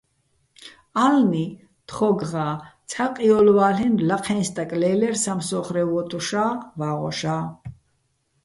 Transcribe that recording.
ა́ლნი თხო́გღა ცჰ̦ა ყიოლვა́ლ'ენო̆ ლაჴეჼ სტაკ ლე́ლერ სამსო́ხრე ვოტუშა́, ვაღოშა́.